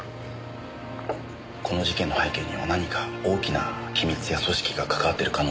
この事件の背景には何か大きな機密や組織が関わってる可能性もある。